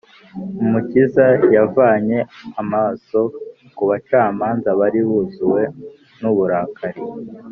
umukiza yavanye amaso ku bacamanza bari buzuwe n’uburakari,